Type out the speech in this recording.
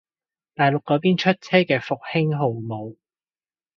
大陸嗰邊出車嘅復興號冇